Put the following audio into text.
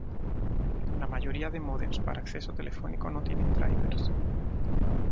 La mayoría de módems para acceso telefónico no tienen "drivers".